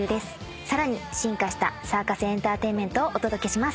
さらに進化したサーカスエンターテインメントをお届けします。